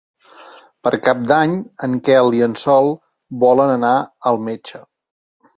Per Cap d'Any en Quel i en Sol volen anar al metge.